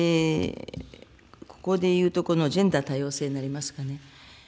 ここでいうと、このジェンダー・多様性になりますかね。